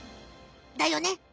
だよね？